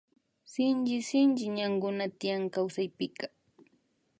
Shinchi sinchi ñankuna tiyan kawsaypika